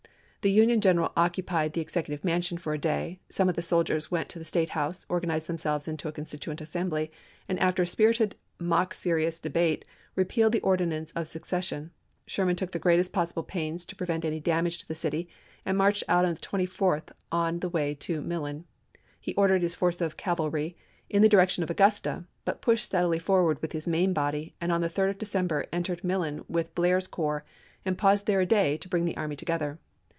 The Union general occupied the Execu THE MABCH TO THE SEA 487 tive Mansion for a day; some of the soldiers chap.xx. went to the State House, organized themselves into a constituent assembly, and after a spirited mock serious debate, repealed the ordinance of secession. Sherman took the greatest possible pains to pre vent any damage to the city and marched out on the 24th on the way to Millen. He ordered his nov.,1864. force of cavalry in the direction of Augusta, but pushed steadily forward with his main body, and on the 3d of December entered Millen with Blair's corps and paused there a day to bring the army together.